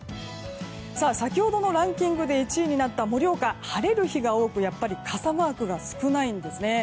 先ほどのランキングで１位になった盛岡晴れる日が多く、やっぱり傘マークが少ないんですね。